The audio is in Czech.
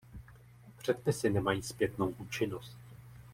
Předpisy nemají zpětnou účinnost.